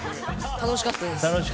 楽しかったです。